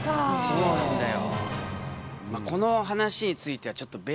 そうなんだよ。